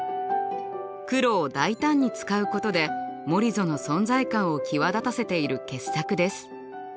黒を大胆に使うことでモリゾの存在感を際立たせている傑作です。